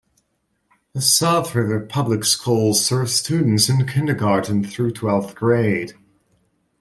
The South River Public Schools serve students in kindergarten through twelfth grade.